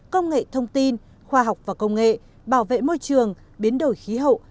công nghệ thông tin khoa học và công nghệ bảo vệ môi trường biến đổi khí hậu